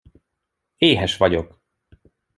Éhes vagyok!